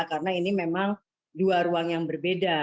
karena ini memang dua ruang yang berbeda